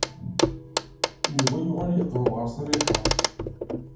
Yuba yuɣal yeqreb ɣer Ṣaliḥa.